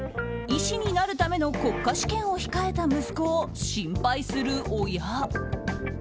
医師になるための国家試験を控えた息子を心配する親。